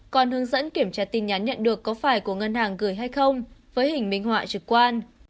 còn hướng dẫn kiểm tra tin nhắn nhận được có phải của ngân hàng gửi hay không với hình minh họa trực quan